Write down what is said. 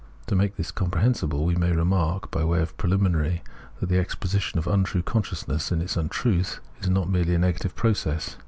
To make this com prehensible we may remark, by way of preliminary, that the exposition of untrue consciousness in its untruth is not a merely negative process.